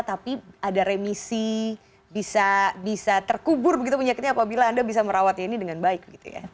tapi ada remisi bisa terkubur begitu penyakitnya apabila anda bisa merawatnya ini dengan baik gitu ya